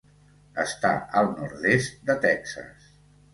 Està al nord-est de Texas.